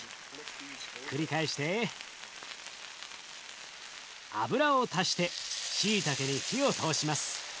ひっくり返して油を足してしいたけに火を通します。